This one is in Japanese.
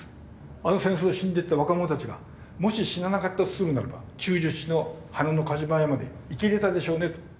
「あの戦争で死んでいった若者たちがもし死ななかったとするならば９７の花の風車まで生きれたでしょうね」と。